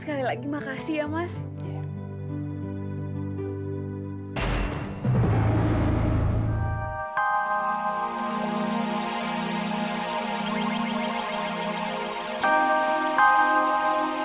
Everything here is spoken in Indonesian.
sekali lagi terima kasih mas